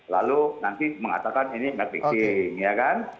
lalu nanti mengatakan ini match fixing ya kan